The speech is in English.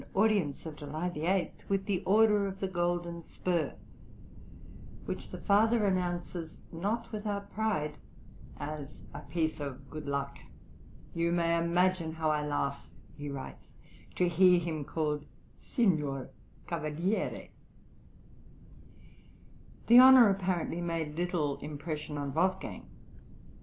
} (125) audience of July 8, with the order of the Golden Spur, which the father announces, not without pride, as "a piece of good luck." "You may imagine how I laugh," he writes, "to hear him called Signor Cavaliere." The honour apparently made little impression on Wolfgang.